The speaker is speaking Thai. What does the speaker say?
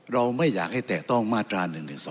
เราไม่อยากให้แตะต้องมาตรา๑๑๒